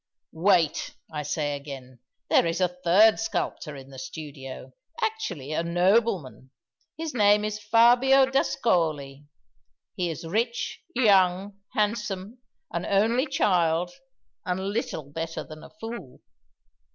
"Wait, I say again. There is a third sculptor in the studio actually a nobleman! His name is Fabio d'Ascoli. He is rich, young, handsome, an only child, and little better than a fool.